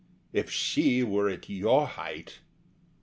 If she were at your height!